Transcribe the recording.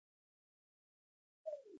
غنمرنګ يار ته چې ګورم حيرانېږم.